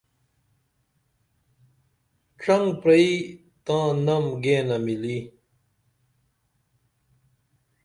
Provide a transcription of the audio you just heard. ڇنگ پریئی تاں نم گینہ مِلی